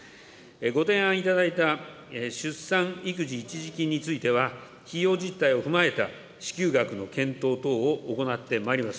ご提案いただいた出産育児一時金については、費用実態を踏まえた支給額の検討等を行ってまいります。